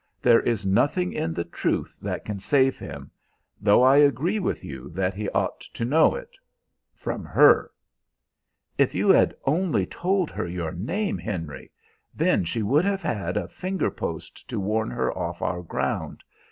There is nothing in the truth that can save him, though I agree with you that he ought to know it from her." "If you had only told her your name, Henry! Then she would have had a fingerpost to warn her off our ground.